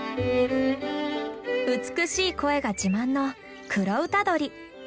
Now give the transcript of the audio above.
美しい声が自慢のクロウタドリ。